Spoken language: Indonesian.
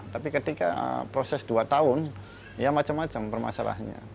tapi ketika proses dua tahun ya macam macam permasalahannya